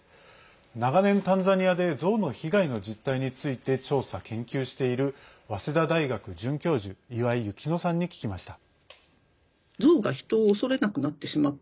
長年タンザニアでゾウの被害の実態について調査、研究している早稲田大学准教授岩井雪乃さんに聞きました。